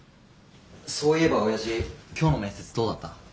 そういえば親父今日の面接どうだった？